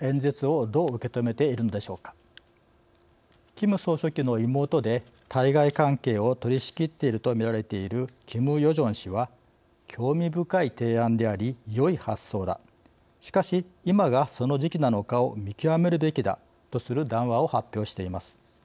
キム総書記の妹で対外関係を取りしきっていると見られているキム・ヨジョン氏は「興味深い提案でありよい発想だ。しかし今がその時期なのかを見極めるべきだ」とする談話を発表しています。